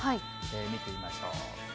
見てみましょう。